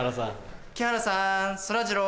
木原さんそらジロー！